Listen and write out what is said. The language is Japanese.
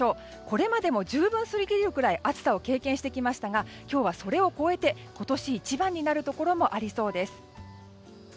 これまでも十分すぎるくらい暑さを経験してきましたが今日はそれを超えて今年一番になるところもありそうです。